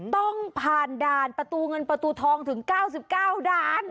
ต้องผ่านด่านประตูเงินประตูทองถึง๙๙ด่าน